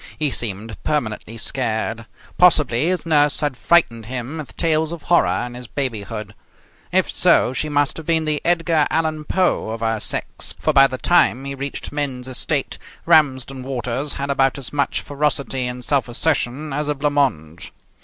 He seemed permanently scared. Possibly his nurse had frightened him with tales of horror in his babyhood. If so, she must have been the Edgar Allan Poe of her sex, for, by the time he reached men's estate, Ramsden Waters had about as much ferocity and self assertion as a blanc mange.